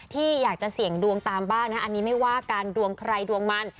ที่อยากจะเสี่ยงดวงตามบ้างนะอันนี้ไม่ว่าการดวงใครดวงมัน